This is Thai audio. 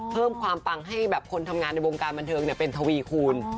เพิ่มความปังให้แบบคนทำงานในวงการบันเทิงเป็นทวีคูณ